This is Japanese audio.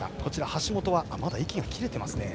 橋本はまだ息が切れていますね。